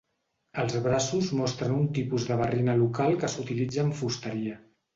Els braços mostren un tipus de barrina local que s'utilitza en fusteria.